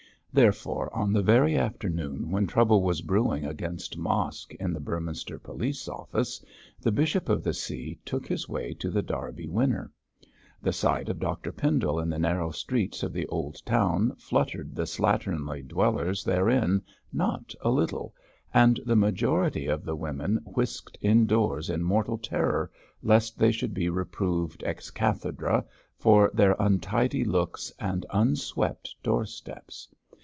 Therefore, on the very afternoon when trouble was brewing against Mosk in the Beorminster Police Office, the bishop of the See took his way to The Derby Winner. The sight of Dr Pendle in the narrow streets of the old town fluttered the slatternly dwellers therein not a little, and the majority of the women whisked indoors in mortal terror, lest they should be reproved ex cathedrâ for their untidy looks and unswept doorsteps.